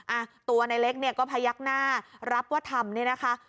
อ่ะตัวในเล็กเนี่ยก็พยักหน้ารับว่าทำเนี่ยนะคะ